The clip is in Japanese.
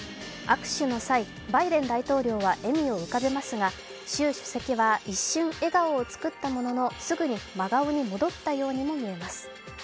握手の際、バイデン大統領は笑みを浮かべますが習主席は一瞬、笑顔を作ったもののすぐに真顔に戻ったようにも見えます。